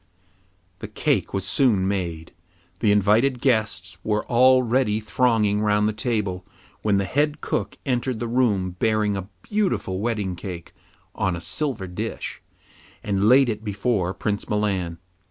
The cake was soon made. The invited guests were already thronging round the table, when the head cook entered the room, bearing a beautiful wedding cake on a silver dish, and laid it before Prince Milan.